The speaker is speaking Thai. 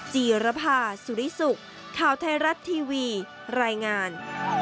จีรภาสุริสุขข่าวไทยรัฐทีวีรายงาน